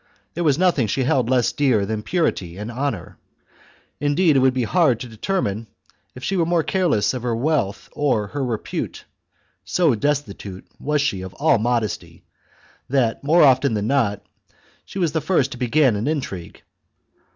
There was nothing she held less dear than purity and honour ; indeed, it would be hard to determine if she were more careless of her wealth or her repute ; so destitute was she of all modesty that more often than not, she was the first to begin an intrigue.